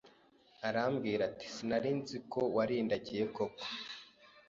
Arambwira ati sinarinziko warindagiye koko